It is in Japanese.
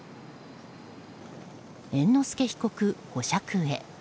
猿之助被告、保釈へ。